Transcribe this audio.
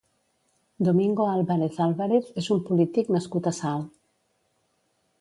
Domingo Álvarez Álvarez és un polític nascut a Salt.